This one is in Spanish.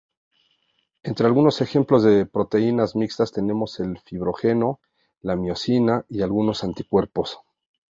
Entre algunos ejemplos de proteínas mixtas tenemos el fibrinógeno, la miosina y algunos anticuerpos.